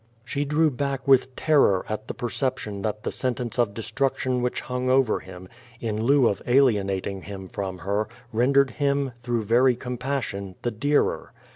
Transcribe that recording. She drew back with terror at the perception that the sen tence of destruction which hung over him, in lieu of alienat ing him from her, rendered him, through very compassion, the dearer.